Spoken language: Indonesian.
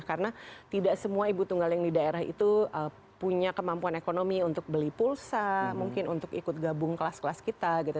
karena tidak semua ibu tunggal yang di daerah itu punya kemampuan ekonomi untuk beli pulsa mungkin untuk ikut gabung kelas kelas kita gitu